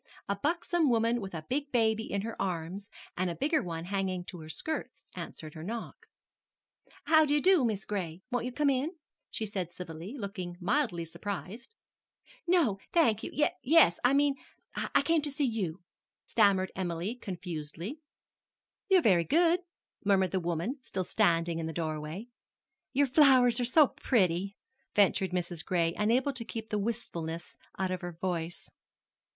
A buxom woman with a big baby in her arms, and a bigger one hanging to her skirts, answered her knock. "How do you do, Mis' Gray. Won't you come in?" said she civilly, looking mildly surprised. "No, thank you yes I mean I came to see you," stammered Emily confusedly. "You're very good," murmured the woman, still standing in the doorway. "Your flowers are so pretty," ventured Mrs. Gray, unable to keep the wistfulness out of her voice.